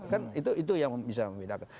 kan itu yang bisa membedakan